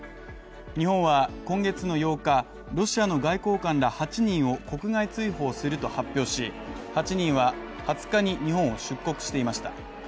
日本は今月の８日、ロシアの外交官ら８人を国外追放すると発表し８人は、２０日に日本を出国していました。